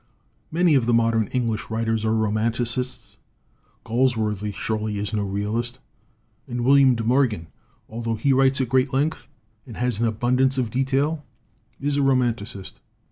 "Many of the modern English writers are romanticists. Galsworthy surely is no realist. And William de Morgan, although he writes at great length and has abundance of detail, is % a romanticist.